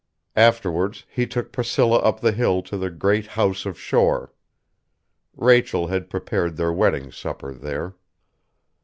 Afterwards, he took Priscilla up the hill to the great House of Shore. Rachel had prepared their wedding supper there....